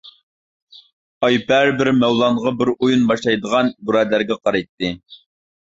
ئايپەرى بىر مەۋلانغا بىر ئويۇن باشلايدىغان بۇرادەرگە قارايتتى.